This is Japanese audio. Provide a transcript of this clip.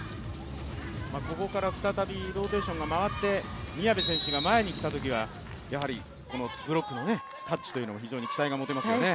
ここから再びローテーションが回って宮部選手が前に来たときはブロックのタッチにも非常に期待が持てますよね。